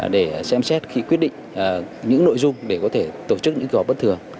để xem xét khi quyết định những nội dung để có thể tổ chức những kỳ họp bất thường